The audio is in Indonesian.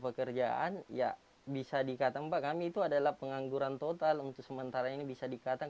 pekerjaan ya bisa dikatakan pak kami itu adalah pengangguran total untuk sementara ini bisa dikatakan